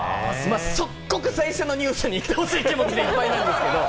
即刻、最初のニュースに行ってほしい気持ちでいっぱいなんですけれども。